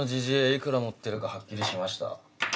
いくら持ってるか・はっきりしました？